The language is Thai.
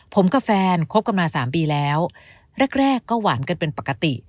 ผมกับแฟนคบกันมา๓ปีแล้วแรกก็หวานกันเป็นปกติ